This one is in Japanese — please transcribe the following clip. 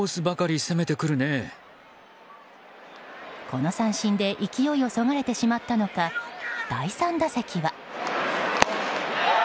この三振で勢いをそがれてしまったのか第３打席は。